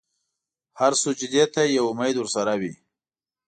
هر سجدې ته یو امید ورسره وي.